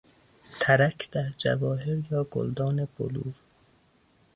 ترک در جواهر یا گلدان بلور